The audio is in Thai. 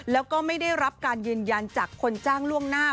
แล้วก็ไม่ได้รับการยืนยันจากคนจ้างล่วงหน้า